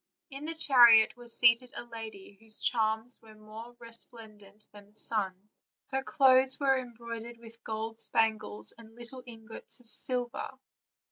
In the chariot was seated a lady, whose charms were more resplendent thr.n the sun; her clothes were em broidered with gold spangles arid little ingots of silver.